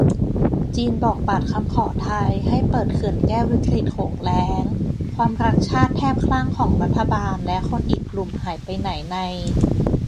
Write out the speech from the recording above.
จีนบอกปัดคำขอไทยให้เปิดเขื่อนแก้วิกฤตโขงแล้ง ความรักชาติแทบคลั่งของรัฐบาลและคนอีกกลุ่มหายไปไหนใน